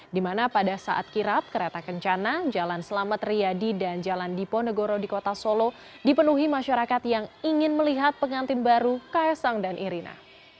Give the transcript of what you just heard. di mana pada saat kirap kereta kencana jalan selamat riyadi dan jalan diponegoro di kota solo dipenuhi masyarakat yang ingin melihat pengantin baru kaisang dan irina